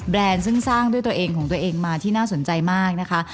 ซึ่งสร้างด้วยตัวเองของตัวเองมาที่น่าสนใจมากนะคะ